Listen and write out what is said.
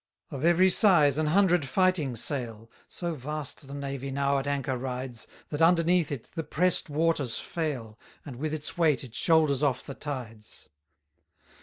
177 Of every size an hundred fighting sail: So vast the navy now at anchor rides, That underneath it the press'd waters fail, And with its weight it shoulders off the tides.